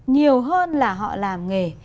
nhiều hơn là họ làm nghề